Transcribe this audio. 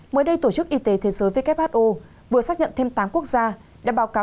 mới đây tổ chức y tế thế giới who vừa xác nhận thêm tám quốc gia đã báo cáo